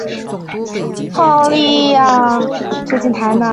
蒙特盖拉尔。